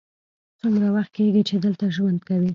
څومره وخت کیږی چې دلته ژوند کوې؟